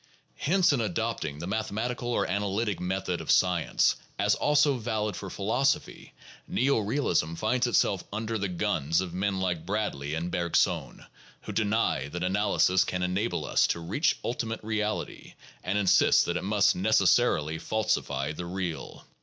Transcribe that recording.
Hence, in adopting the mathematical or analytic method of science as also valid for phi losophy, neo realism finds itself under the guns of men like Bradley and Bergson, who deny that analysis can enable us to reach ultimate reality, and insist that it must necessarily falsify the real.